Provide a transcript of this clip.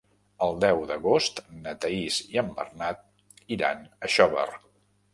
El deu d'agost na Thaís i en Bernat iran a Xóvar.